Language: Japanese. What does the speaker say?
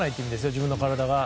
自分の体が。